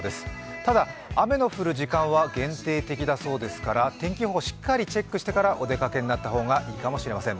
ただ、雨の降る時間は限定的だそうですから天気予報をしっかりチェックしてからお出かけになった方がいいかもしれません。